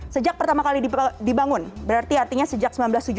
sejak pertama kali dibangun berarti artinya sejak seribu sembilan ratus tujuh puluh